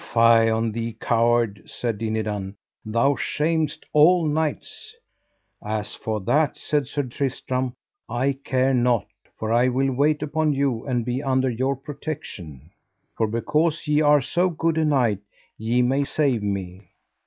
Fie on thee, coward, said Dinadan, thou shamest all knights. As for that, said Sir Tristram, I care not, for I will wait upon you and be under your protection; for because ye are so good a knight ye may save me.